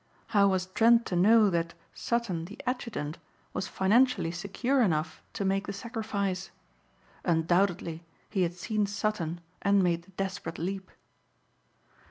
How was Trent to know that Sutton the adjutant was financially secure enough to make the sacrifice? Undoubtedly he had seen Sutton and made the desperate leap.